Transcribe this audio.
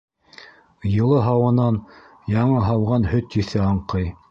Йылы һауанан яңы һауған һөт еҫе аңҡый.